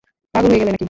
পাগল হয়ে গেলে নাকি?